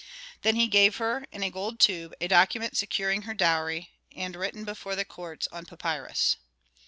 Then he gave her, in a gold tube, a document securing her dowry, and written before the court on papyrus.